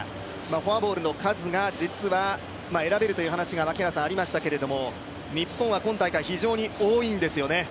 フォアボールの数が、実は選べるという話がありましたけど日本は今大会、非常に多いんですよね。